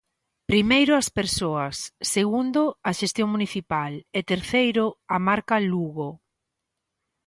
Primeiro, as persoas; segundo, a xestión municipal; e terceiro, a marca Lugo.